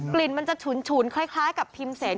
ลิ่นมันจะฉุนคล้ายกับพิมพ์เสน